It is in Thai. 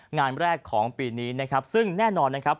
งานแรกของปีนี้นะครับซึ่งแน่นอนนะครับ